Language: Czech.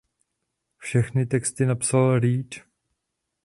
Všechny texty napsal Reed.